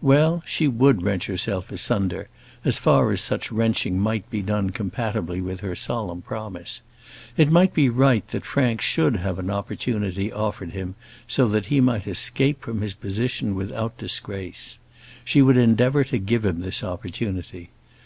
Well, she would wrench herself asunder, as far as such wrenching might be done compatibly with her solemn promise. It might be right that Frank should have an opportunity offered him, so that he might escape from his position without disgrace. She would endeavour to give him this opportunity.